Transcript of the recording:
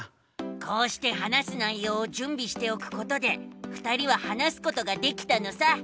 こうして話す内ようを準備しておくことでふたりは話すことができたのさ。